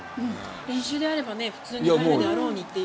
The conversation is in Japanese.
練習であれば普通に入るであろうにっていう。